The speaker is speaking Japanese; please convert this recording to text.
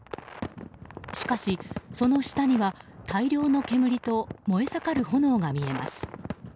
しかし、その下には大量の煙と燃え盛る炎が見えます。